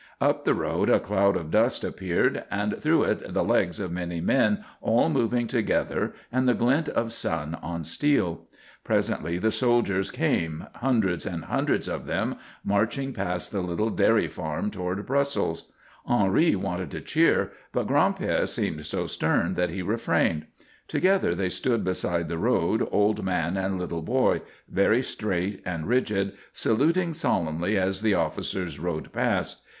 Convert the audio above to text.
Up the road a cloud of dust appeared and through it the legs of many men all moving together and the glint of sun on steel. Presently the soldiers came, hundreds and hundreds of them, marching past the little dairy farm toward Brussels. Henri wanted to cheer, but Gran'père seemed so stern that he refrained. Together they stood beside the road, old man and little boy, very straight and rigid, saluting solemnly as the officers rode past.